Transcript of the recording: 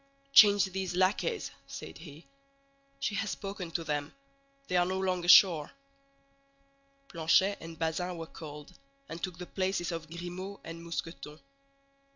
"Change these lackeys," said he; "she has spoken to them. They are no longer sure." Planchet and Bazin were called, and took the places of Grimaud and Mousqueton.